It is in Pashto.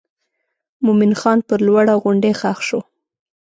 مومن خان پر لوړه غونډۍ ښخ شو.